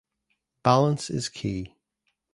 Balance is key.